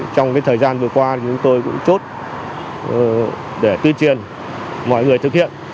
trong cái thời gian vừa qua thì chúng tôi cũng chốt để tuyên truyền mọi người thực hiện